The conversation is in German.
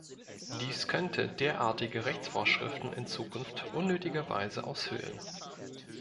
Dies könnte derartige Rechtsvorschriften in Zukunft unnötigerweise aushöhlen.